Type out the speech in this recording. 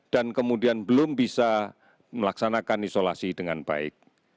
dan kemudian belum bisa melaksanakan isolasi diri dengan baik